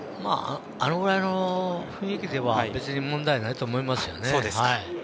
あのぐらいの雰囲気では別に問題ないと思いますよね。